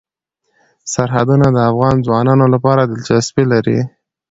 سرحدونه د افغان ځوانانو لپاره دلچسپي لري.